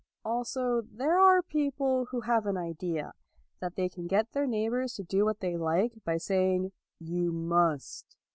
Also there are people who have an idea that they can get their neighbors to do what they like by saying " You must."